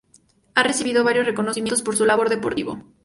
Ha recibido varios reconocimientos por su labor deportiva.